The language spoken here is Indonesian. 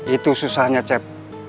itu susahnya cep